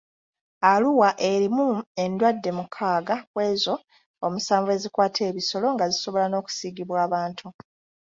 Arua erimu endwadde mukaaga kw'ezo omusanvu ezikwata ebisolo nga zisobola n'okusiigibwa abantu.